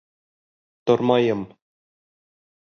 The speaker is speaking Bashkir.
Тормайым!